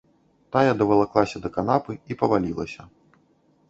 Тая давалаклася да канапы і павалілася.